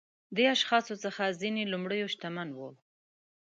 دې اشخاصو څخه ځینې لومړيو شتمن وو.